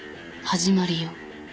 始まりよ。